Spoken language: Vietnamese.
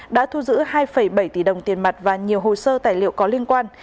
đã thu giữ hai bảy tỷ đồng tiền mặt và nhiều hồ sơ tài liệu có liên quan